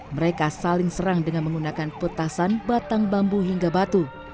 mereka saling serang dengan menggunakan petasan batang bambu hingga batu